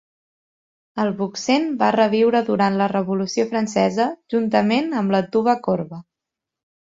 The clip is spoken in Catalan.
El buccén va reviure durant la Revolució Francesa, juntament amb la "tuba corba".